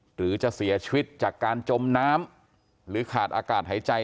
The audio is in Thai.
หรือจะเสียชีวิตจากการจมน้ำหรือขาดอากาศหายใจ